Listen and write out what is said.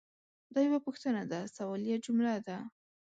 دا یوه پوښتنه ده – سوالیه جمله ده.